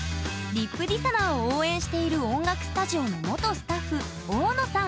ＲＩＰＤＩＳＨＯＮＯＲを応援している音楽スタジオの元スタッフ大野さん。